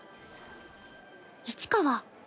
市川